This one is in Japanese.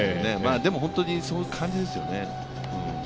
でも本当にそういう感じですよね。